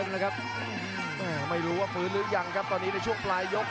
นี่ครับหัวมาเจอแบบนี้เลยครับวงในของพาราดอลเล็กครับ